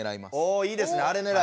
おいいですねあれねらい。